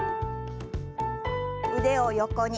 腕を横に。